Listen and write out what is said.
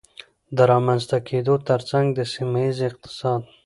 د رامنځته کېدو ترڅنګ د سيمهييز اقتصاد